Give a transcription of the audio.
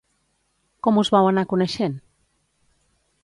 Com us vau anar coneixent?